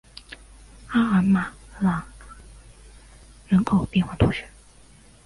阿马朗人口变化图示